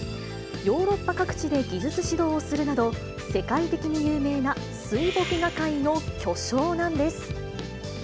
ヨーロッパ各地で技術指導をするなど、世界的に有名な水墨画界の巨匠なんです。